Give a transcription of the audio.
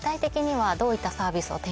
はい。